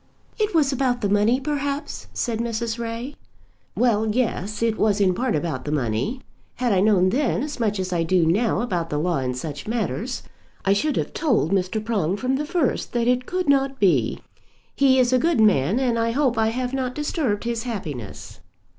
"It was about the money, perhaps?" said Mrs. Ray. "Well, yes; it was in part about the money. Had I known then as much as I do now about the law in such matters, I should have told Mr. Prong from the first that it could not be. He is a good man, and I hope I have not disturbed his happiness."